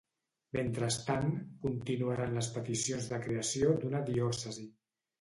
Mentrestant, continuaren les peticions de creació d'una diòcesi.